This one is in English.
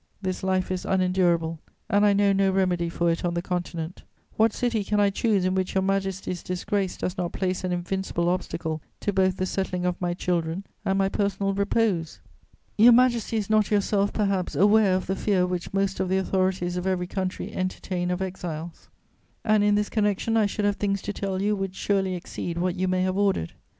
This life is unendurable, and I know no remedy for it on the Continent. What city can I choose in which Your Majesty's disgrace does not place an invincible obstacle to both the settling of my children and my personal repose? Your Majesty is not yourself, perhaps, aware of the fear which most of the authorities of every country entertain of exiles, and in this connection I should have things to tell you which surely exceed what you may have ordered.